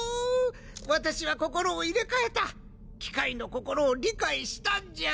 私は心を入れ替えた機械の心を理解したんじゃ。